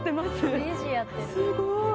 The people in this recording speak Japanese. すごい！